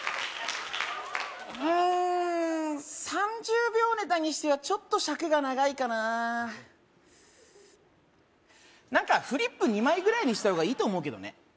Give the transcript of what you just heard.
うーん３０秒ネタにしてはちょっと尺が長いかななんかフリップ２枚ぐらいにしたほうがいいと思うけどね